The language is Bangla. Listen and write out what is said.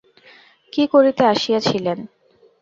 কী করিতে আসিয়াছিলেন?